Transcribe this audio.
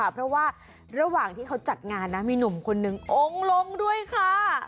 เพราะว่าระหว่างจัดงานมีหน่วงโอ้งล้มด้วยค่ะ